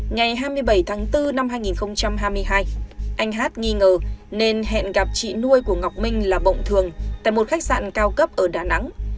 ngày hai mươi bảy tháng bốn năm hai nghìn hai mươi hai anh hát nghi ngờ nên hẹn gặp chị nuôi của ngọc minh là bộng thường tại một khách sạn cao cấp ở đà nẵng